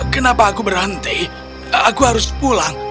kenapa aku berhenti aku harus pulang